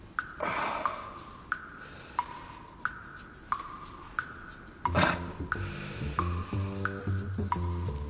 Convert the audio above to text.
あっ！